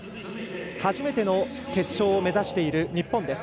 初めての決勝を目指している日本です。